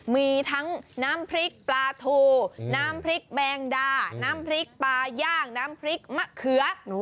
มีทั้งน้ำพริกปลาทูน้ำพริกแมงดาน้ำพริกปลาย่างน้ำพริกมะเขือ